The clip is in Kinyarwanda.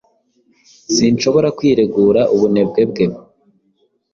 sinshobora kwiregura ubunebwe bwe